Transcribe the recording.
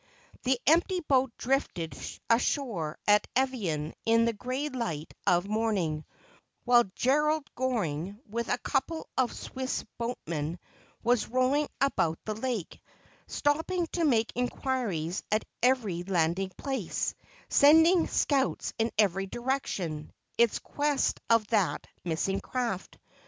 The empty boat drifted ashore at Evian in the gray light of morning, while Gerald Goring, with a couple of Swiss boatmen, was rowing about the lake, stopping to make inquiries at every landing place, sending scouts in every direction, in quest of that missing craft.